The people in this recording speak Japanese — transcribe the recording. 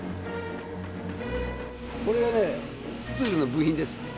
これがね、スツールの部品です。